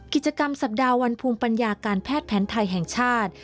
กิจกรรมสัปดาห์วันภูมิปัญญาการแพทย์แผนไทยแห่งชาติ